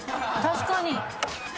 確かに。